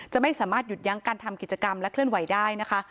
จะไม่สามารถหยุดยั้งการทำกิจกรรมและเคลื่อนไหวได้นะคะ